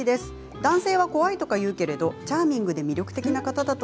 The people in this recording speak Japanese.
男性は怖いと言うけれどチャーミングで魅力的な方だと